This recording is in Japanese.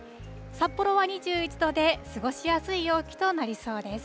札幌は２１度で過ごしやすい陽気となりそうです。